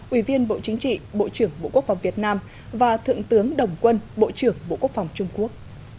ủy viên bộ chính trị bộ trưởng bộ quốc phòng việt nam và thượng tướng đồng quân bộ trưởng bộ quốc phòng trung quốc